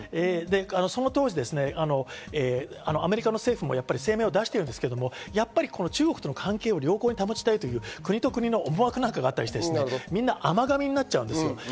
その当時、アメリカの政府も声明を出していますが、やっぱり中国との関係を良好に保ちたいという国と国との思惑があったりして、みんなあまがみになっちゃうんです。